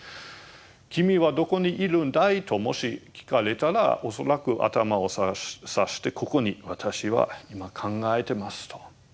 「君はどこにいるんだい？」ともし聞かれたらおそらく頭を指してここに私は今考えてますと。